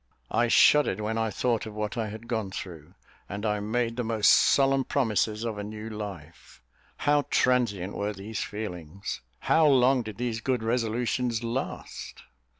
I shuddered when I thought of what I had gone through, and I made the most solemn promises of a new life. How transient were these feelings! How long did these good resolutions last?